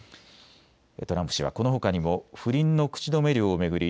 トランプ氏はこのほかにも不倫の口止め料を巡り